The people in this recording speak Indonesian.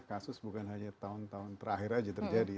kasus bukan hanya tahun tahun terakhir aja terjadi